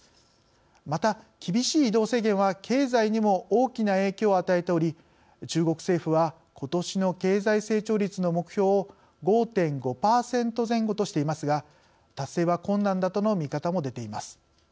また、厳しい移動制限は経済にも大きな影響を与えており中国政府はことしの経済成長率の目標を５．５％前後としていますが達成は困難だとの見方も出ています。